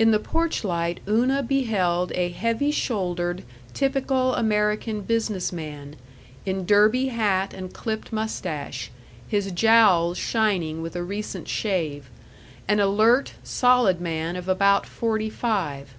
In the porch light Una beheld a heavy shouldered, typical American business man, in derby hat and clipped mustache, his jowls shining with a recent shave; an alert, solid man of about forty five.